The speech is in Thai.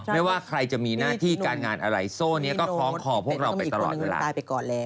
ไม่ว่าใครจะมีหน้าที่การงานอะไรโซ่นี่ก็ค้องคลอพวกเราไปตลอดแล้ว